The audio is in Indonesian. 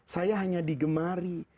saya hanya digemari